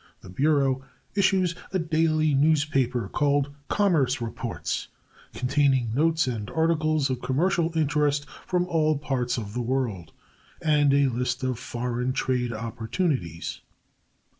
The Bureau issues a daily newspaper called Commerce Reports, containing notes and articles of commercial interest from all parts of the world and a list of "Foreign Trade Opportunities."